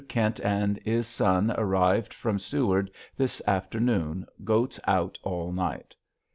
Kint and is son arivd from seward this afternoon. goats out all night.